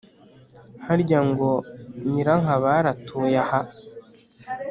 Harya ngo nyirankabari atuye aha